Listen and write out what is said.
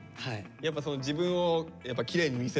やっぱその自分をきれいに見せる。